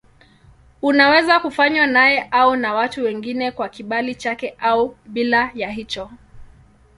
Unaweza kufanywa naye au na watu wengine kwa kibali chake au bila ya hicho.